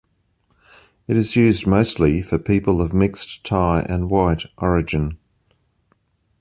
It is used mostly for people of mixed Thai and white origin.